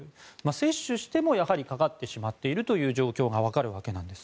接種してもやはりかかってしまうという状況がわかるんです。